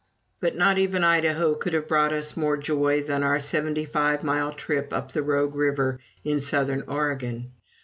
But not even Idaho could have brought us more joy than our seventy five mile trip up the Rogue River in Southern Oregon.